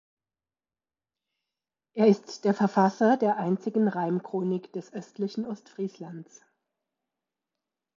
Er ist der Verfasser der einzigen Reimchronik des östlichen Ostfrieslands.